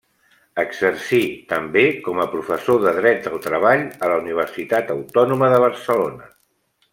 Exercí, també, com a professor de Dret del Treball a la Universitat Autònoma de Barcelona.